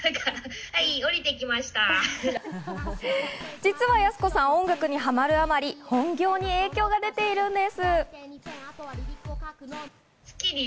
実はやす子さん、音楽にハマるあまり、本業に影響が出ているんです。